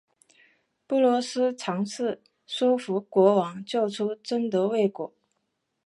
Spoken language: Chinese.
布罗斯尝试说服国王救出贞德未果。